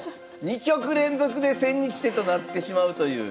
２局連続で千日手となってしまうという。